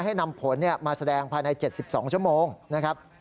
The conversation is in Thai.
ให้นำผลมาแสดงภายใน๗๒ชั่วโมงนะครับ